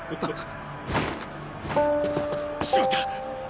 しまった！